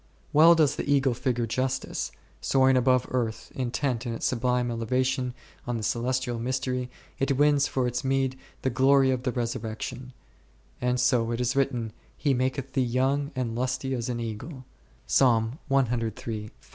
Well does the eagle figure justice ; soaring above earth, intent in its sublime elevation on the celestial mystery, it wins for its meed the glory of the Resurrection ; and so it is written, He maketh thee young and lusty as an eagle u .